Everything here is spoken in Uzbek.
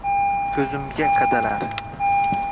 Ko’zimga qadalar —